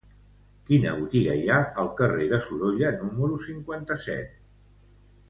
Quina botiga hi ha al carrer de Sorolla número cinquanta-set?